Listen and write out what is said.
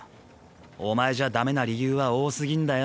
お前じゃダメな理由は多すぎんだよ。